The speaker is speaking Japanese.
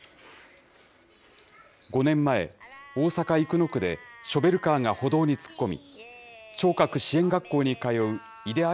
５年前、大阪・生野区でショベルカーが歩道に突っ込み、聴覚支援学校に通う井出安